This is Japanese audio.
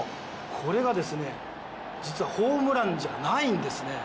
これがですね実はホームランじゃないんですね。